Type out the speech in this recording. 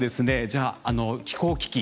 じゃあ気候危機